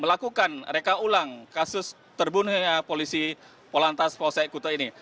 melakukan reka ulang kasus terbunuhnya polisi polantas polsek kuta ini